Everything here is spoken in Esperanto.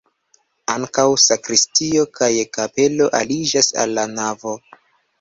Ankaŭ sakristio kaj kapelo aliĝas al la navo.